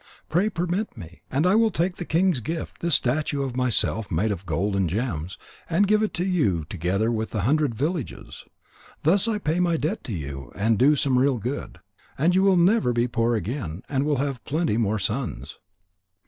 Pray permit me. And I will take the king's gift, this statue of myself made of gold and gems, and give it to you together with the hundred villages. Thus I will pay my debt to you, and do some real good. And you will never be poor again, and will have plenty more sons."